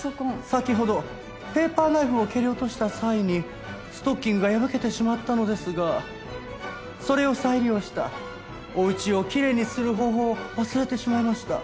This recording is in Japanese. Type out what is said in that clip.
先ほどペーパーナイフを蹴り落とした際にストッキングが破けてしまったのですがそれを再利用したお家をきれいにする方法を忘れてしまいました。